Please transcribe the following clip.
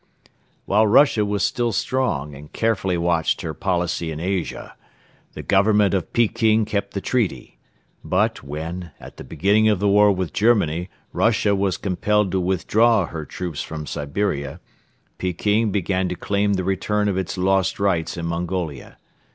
While Russia was still strong and carefully watched her policy in Asia, the Government of Peking kept the treaty; but, when, at the beginning of the war with Germany, Russia was compelled to withdraw her troops from Siberia, Peking began to claim the return of its lost rights in Mongolia.